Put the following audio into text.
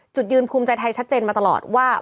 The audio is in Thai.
จุดยืนภูมิใจไทยชัดเจนมาตลอดว่า